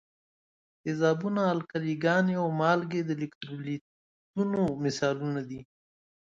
تیزابونه، القلي ګانې او مالګې د الکترولیتونو مثالونه دي.